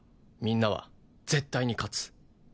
みんなは絶対に勝つ。